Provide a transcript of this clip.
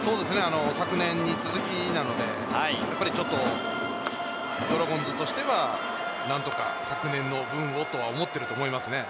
昨年に続きなので、ドラゴンズとしては何とか昨年の分をと思っていると思います。